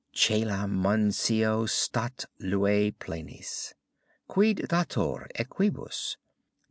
coelica mansio stat lue plenis; Quid datur et quibus?